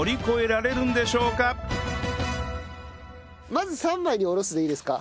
まず３枚におろすでいいですか？